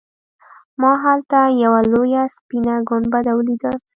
ما هلته یوه لویه سپینه ګنبده ولیده.